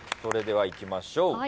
それではいきましょう。